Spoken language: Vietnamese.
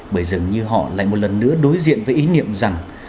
bởi dường như họ lại một lần nữa đối diện với ý niệm rằng